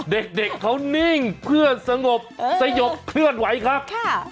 เด็กเขานิ่งเพื่อนสงบสยบเคลื่อนไหวครับค่ะ